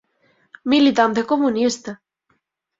Militante comunista.